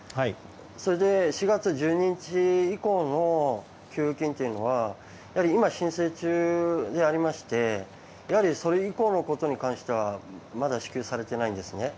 ４月１２日以降の給付金は今、申請中でありましてそれ以降のことに関してはまだ支給されていないんですね。